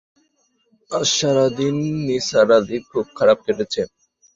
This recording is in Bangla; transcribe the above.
আজ সারা দিন নিসার আলির খুব খারাপ কেটেছে।